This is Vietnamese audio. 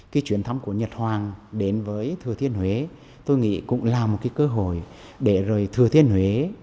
cái chuyển thăm của nhật hoàng đến với thừa thiên huế tôi nghĩ cũng là một cơ hội để thừa thiên huế